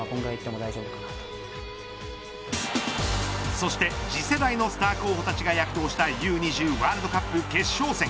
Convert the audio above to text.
そして次世代のスター候補たちが躍動したＵ‐２０ワールドカップ決勝戦。